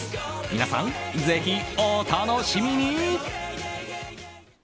皆さん、ぜひお楽しみに！